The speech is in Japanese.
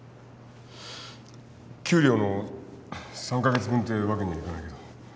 給料の３カ月分ってわけにはいかないけど。